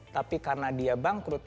tapi karena dia bangkrut